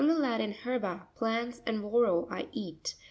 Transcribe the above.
— From the Latin, herba, plants, and voro, I eat.